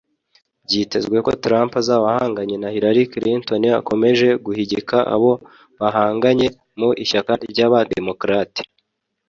Byitezwe ko Trump azaba ahanganye na Hillary Clinton ukomeje guhigika abo bahanganye mu ishyaka ry’aba ‘Democrates’